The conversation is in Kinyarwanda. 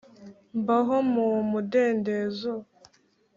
mbaho mu mudendezo